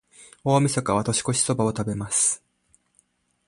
大晦日は、年越しそばを食べます。